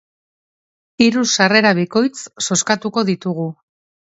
Hiru sarrera bikoitz zozkatuko ditugu.